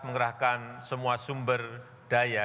mengerahkan semua sumber daya